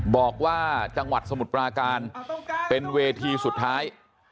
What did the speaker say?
บอกว่าจังหวัดสมุทรปราการเป็นเวทีสุดท้าย